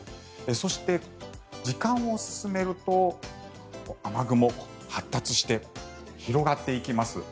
そして、時間を進めると雨雲、発達して広がっていきます。